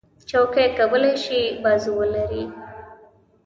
چوکۍ کولی شي بازو ولري.